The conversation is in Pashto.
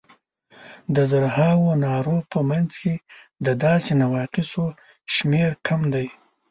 د زرهاوو نارو په منځ کې د داسې نواقصو شمېر کم دی.